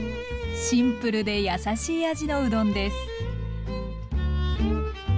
シンプルでやさしい味のうどんです。